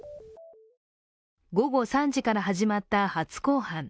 午後３時から始まった初公判。